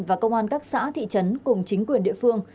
và công an các xã thị trấn cùng chính quyền địa phương